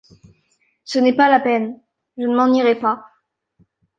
Ce n'est pas la peine, je ne m'en irai pas.